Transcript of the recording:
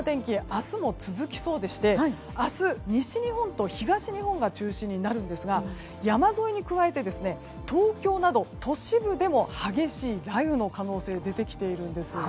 明日も続きそうでして明日、西日本と東日本が中心になるんですが山沿いに加えて東京など都市部でも激しい雷雨の可能性が出てきているんです。